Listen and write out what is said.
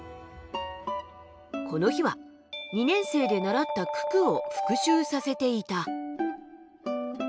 この日は２年生で習った九九を復習させていた。